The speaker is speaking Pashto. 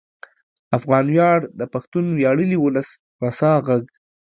افغان ویاړ د پښتون ویاړلي ولس رسا غږ